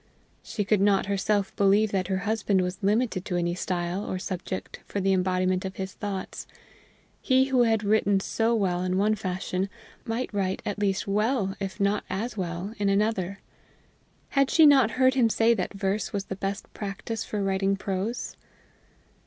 She could not herself believe that her husband was limited to any style or subject for the embodiment of his thoughts; he who had written so well in one fashion might write at least well, if not as well, in another! Had she not heard him say that verse was the best practice for writing prose?